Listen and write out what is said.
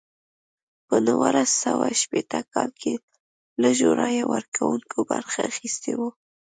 په نولس سوه شپیته کال کې لږو رایه ورکوونکو برخه اخیستې وه.